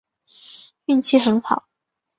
运气很好